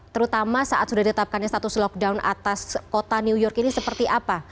terutama saat sudah ditetapkannya status lockdown atas kota new york ini seperti apa